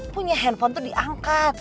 punya handphone tuh diangkat